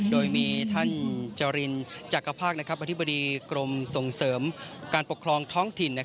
โดยมีท่านจรินจักรภาคอธิบดีกรมส่งเสริมการปกครองท้องถิ่น